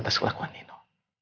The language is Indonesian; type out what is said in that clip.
lepas kelakuan nino